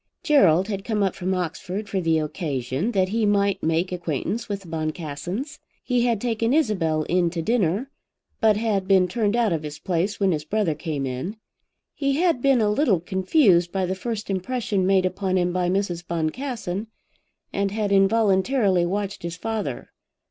Gerald had come up from Oxford for the occasion that he might make acquaintance with the Boncassens. He had taken Isabel in to dinner, but had been turned out of his place when his brother came in. He had been a little confused by the first impression made upon him by Mrs. Boncassen, and had involuntarily watched his father.